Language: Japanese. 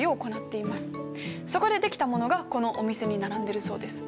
そこでできたものがこのお店に並んでるそうです。